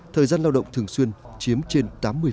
thời gian lao động thường xuyên chiếm trên tám mươi